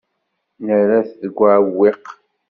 Nerra-t deg uɛewwiq.